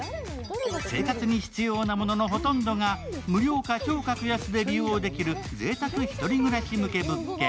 生活に必要なもののほとんどが無料か超格安で利用できるぜいたく１人暮らし向け物件。